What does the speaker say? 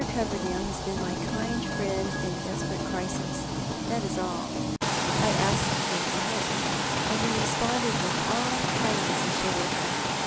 Coverdale has been my kind friend in a desperate crisis — that is all. I asked him to help me, and he responded with all kindness and chivalry.